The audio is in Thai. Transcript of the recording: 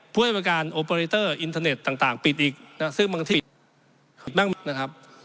เพื่อให้บริการอินเทอร์เน็ตต่างต่างปิดอีกนะซึ่งบางทีนะครับ